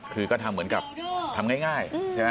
คือก็ทำเหมือนกับทำง่าย